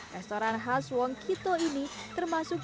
restoran khas wong kito ini termasuk